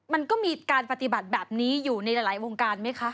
มันก็มีการปฏิบัติแบบนี้อยู่ในหลายวงการไหมคะ